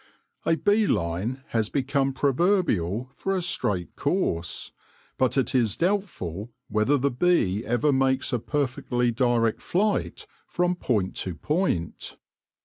A bee line has become proverbial for a straight course, but it is doubtful whether the bee ever makes a perfectly direct flight from point to point.